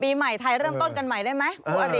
ปีใหม่ไทยเริ่มต้นกันใหม่ได้ไหมคู่อริ